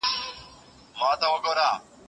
مثبت فکر وخت نه دروي.